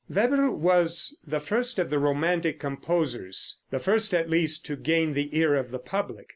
Weber was the first of the romantic composers the first, at least, to gain the ear of the public.